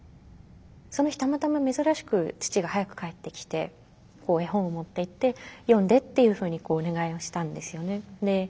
その日たまたま珍しく父が早く帰ってきて絵本を持っていって読んでっていうふうにお願いをしたんですよね。